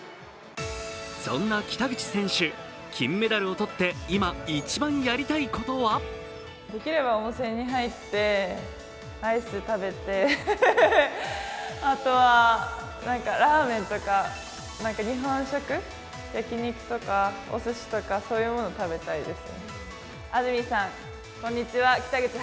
そんな北口選手、金メダルをとって今、一番やりたいことはできれば温泉に入ってアイス食べてあとはラーメンとか日本食、焼き肉とかおすしとか、そういうものを食べたいです。